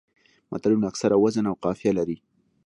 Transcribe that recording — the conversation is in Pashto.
متلونه اکثره وزن او قافیه لري